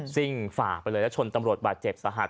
ซิ่งฝากไปเลยชนตำรวจบาดเจ็บสะหัส